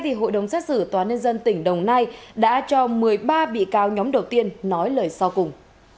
công xét xử tòa nhân dân tỉnh đồng nai đã cho một mươi ba bị cáo nhóm đầu tiên nói lời sau cùng